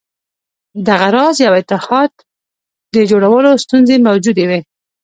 دغه راز یوه اتحاد د جوړولو ستونزې موجودې وې.